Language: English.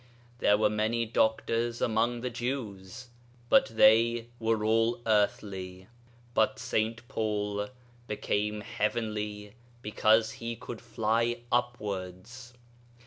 There were many Doctors amongst the Jews, but they were all earthly, but St. Paul became heavenly because he could fly upwards.